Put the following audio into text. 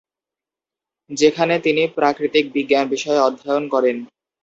যেখানে তিনি প্রাকৃতিক বিজ্ঞান বিষয়ে অধ্যয়ন করেন।